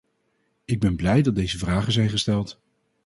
Ik ben blij dat deze vragen zijn gesteld.